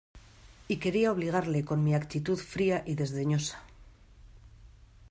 y quería obligarle con mi actitud fría y desdeñosa.